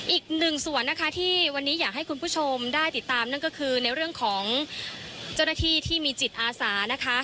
อีกหนึ่งส่วนนะคะที่วันนี้อยากให้คุณผู้ชมได้ติดตามนั่นก็คือในเรื่องของเจ้าหน้าที่ที่มีจิตอาสานะคะ